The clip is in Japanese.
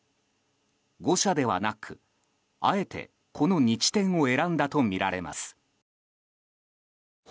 誤射ではなく、あえてこの２地点を選んだとみられます。